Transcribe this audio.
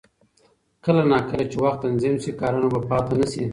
کله نا کله چې وخت تنظیم شي، کارونه به پاتې نه شي.